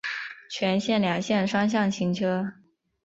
全线两线双向行车。